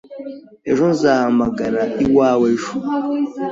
Ejo nzahamagara iwawe ejo.